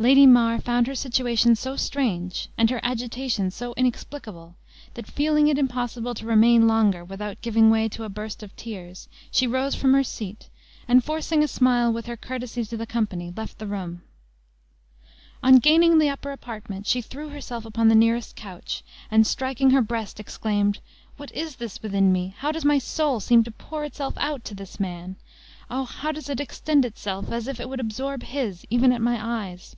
Lady Mar found her situation so strange, and her agitation so inexplicable, that feeling it impossible to remain longer without giving way to a burst of tears, she rose from her seat, and forcing a smile with her courtesy to the company, left the room. On gaining the upper apartment, she threw herself upon the nearest couch, and striking her breast, exclaimed: "What is this within me? How does my soul seem to pour itself out to this man! Oh! how does it extend itself, as if it would absorb his, even at my eyes!